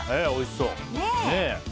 おいしそう。